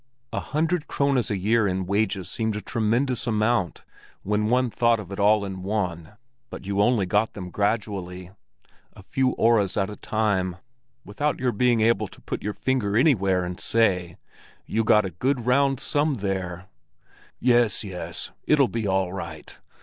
A hundred krones a year in wages seemed a tremendous amount when one thought of it all in one; but you only got them gradually, a few öres at a time, without your being able to put your finger anywhere and say: You got a good round sum there! "Yes, yes, it'll be all right!"